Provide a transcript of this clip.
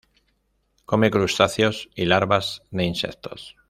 Come crustáceos y larvas de insectos.